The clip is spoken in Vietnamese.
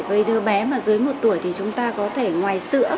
với đứa bé mà dưới một tuổi thì chúng ta có thể ngoài sữa